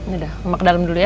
ya udah mama ke dalam dulu ya